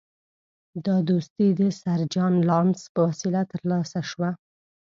دا دوستي د سر جان لارنس په وسیله ترلاسه شوه.